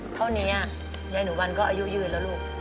เท่านี้ยายหนูวันก็อายุยืนแล้วลูก